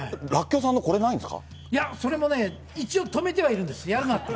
これ、いや、それもね、一応、止めてはいるんです、やるなと。